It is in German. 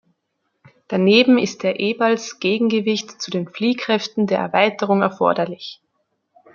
Daneben ist der Ebals Gegengewicht zu den Fliehkräften der Erweiterung erforderlich.